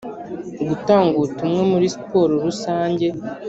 gutanga ubutumwa muri siporo rusange;